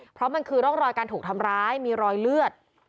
เพราะมันคือร่องรอยการถูกทำร้ายมีรอยเลือด